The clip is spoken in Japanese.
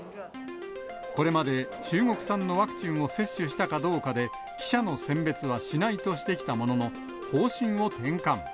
これまで、中国産のワクチンを接種したかどうかで、記者の選別はしないとしてきたものの、方針を転換。